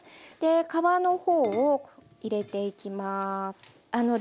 皮の方を入れていきます。